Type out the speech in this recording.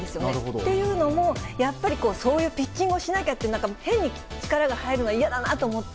っていうのも、やっぱり、そういうピッチングをしなきゃって、なんか変に力が入るのは嫌だなぁと思って。